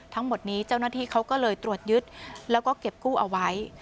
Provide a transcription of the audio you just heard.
ทั้งหมดนี้เจ้าหน้าที่เขาก็เลยตรวจยึดแล้วก็เก็บกู้เอาไว้